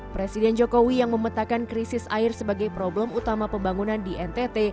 presiden jokowi yang memetakan krisis air sebagai problem utama pembangunan di ntt